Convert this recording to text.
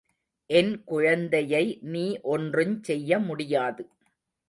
என்குழந்தையை நீ ஒன்றுஞ் செய்ய முடியாது.